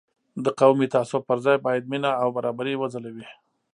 د قومي تعصب پر ځای باید مینه او برابري وځلوي.